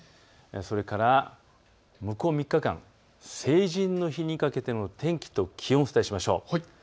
それから向こう３日間、成人の日にかけての天気と気温をお伝えしましょう。